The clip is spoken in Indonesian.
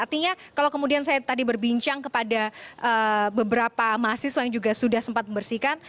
artinya kalau kemudian saya tadi berbincang kepada beberapa mahasiswa yang juga sudah sempat membersihkan